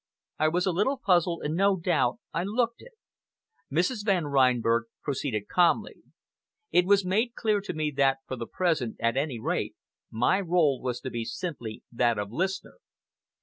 I was a little puzzled, and no doubt I looked it. Mrs. Van Reinberg proceeded calmly. It was made clear to me that, for the present, at any rate, my rôle was to be simply that of listener.